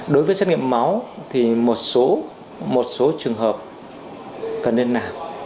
đối với xét nghiệm máu thì một số trường hợp cần nên làm